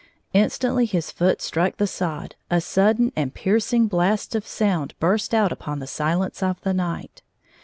Instantly his foot struck the sod, a sudden and piercing blast of sound burst out upon the silence of the night.